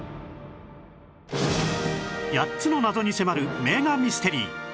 ８つの謎に迫る名画ミステリー